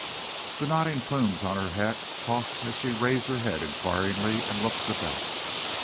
The nodding plumes on her hat tossed as she raised her head inquiringly and looked about.